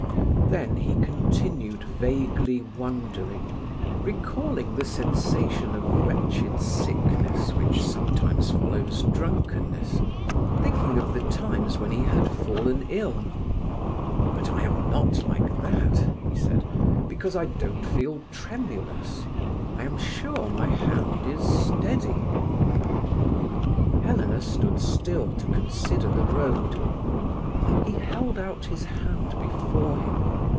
Then he continued vaguely wondering, recalling the sensation of wretched sickness which sometimes follows drunkenness, thinking of the times when he had fallen ill. "But I am not like that," he said, "because I don't feel tremulous. I am sure my hand is steady." Helena stood still to consider the road. He held out his hand before him.